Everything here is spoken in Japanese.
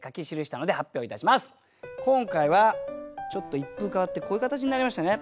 今回はちょっと一風変わってこういう形になりましたね。